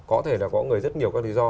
có thể là có người rất nhiều các lý do